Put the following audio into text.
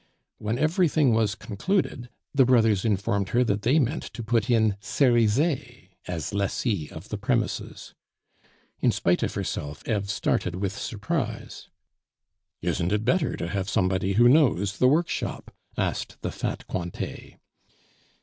When everything was concluded, the brothers informed her that they meant to put in Cerizet as lessee of the premises. In spite of herself, Eve started with surprise. "Isn't it better to have somebody who knows the workshop?" asked the fat Cointet.